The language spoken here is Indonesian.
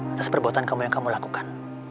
atas perbuatan kamu yang kamu lakukan